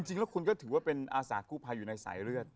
จริงแล้วคุณก็ถือว่าเป็นอาสากู้ภัยอยู่ในสายเลือด